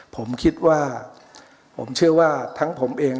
ผมคิดว่าผมเชื่อว่าทั้งผมเอง